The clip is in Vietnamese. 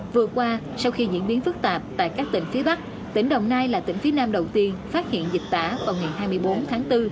vừa qua sau khi diễn biến phức tạp tại các tỉnh phía bắc tỉnh đồng nai là tỉnh phía nam đầu tiên phát hiện dịch tả vào ngày hai mươi bốn tháng bốn